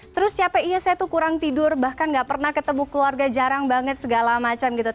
terus capek iya saya tuh kurang tidur bahkan gak pernah ketemu keluarga jarang banget segala macam gitu